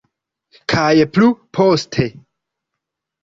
Kaj plu poste.